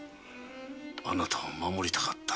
あなたを守りたかった。